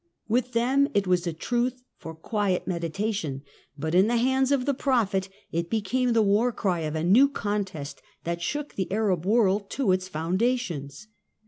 With them it was a truth for quiet meditation, but in the hands of the prophet it became the war cry of a new contest that shook the Arab world to its foundations.